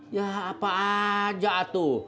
ya apa aja tuh